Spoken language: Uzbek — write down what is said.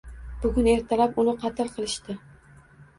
Bugun ertalab uni qatl qilishdi